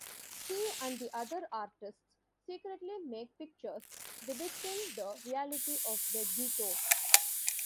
He and the other artists secretly make pictures depicting the reality of the Ghetto.